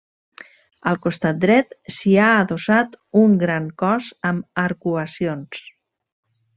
Al costat dret s'hi ha adossat un gran cos amb arcuacions.